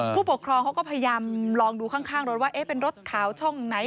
ผู้ปกครองเขาก็พยายามลองดูข้างรถว่าเป็นรถขาวช่องไหน